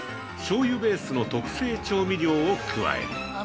しょうゆベースの特製調味料を加える。